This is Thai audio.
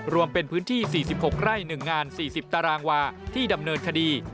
รวมเป็นพื้นที่๔๖ไร่๑งาน๔๐ตารางวาที่ดำเนินคดี